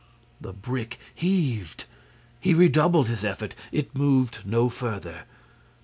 The brick heaved. He redoubled his effort; it moved no further.